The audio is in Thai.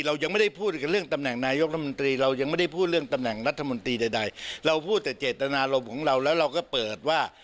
เรายังไม่ได้พูดกับเรื่องตำแหน่งนายกรัฐมนตรีเรายังไม่ได้พูดเรื่องตำแหน่งรัฐมนตรีใดเราพูดแต่เจตนารมณ์ของเราแล้วเราก็เปิดว่า